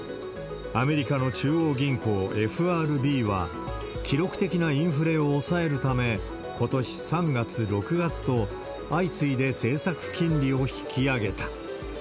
アメリカの中央銀行、ＦＲＢは、記録的なインフレを抑えるため、ことし３月、６月と、相次いで政策金利を引き上げた。